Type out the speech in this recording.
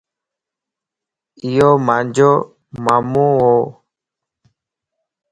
ايو مانجو مامون وَ